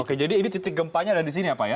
oke jadi ini titik gempanya ada di sini ya pak ya